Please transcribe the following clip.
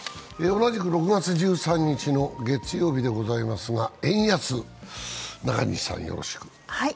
同じく６月１３日の月曜日ですが、円安、中西さん、よろしく。